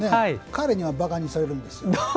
彼にはばかにされるんですよ。